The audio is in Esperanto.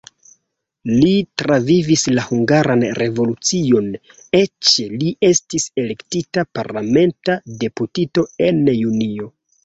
Li travivis la Hungaran revolucion, eĉ li estis elektita parlamenta deputito en junio.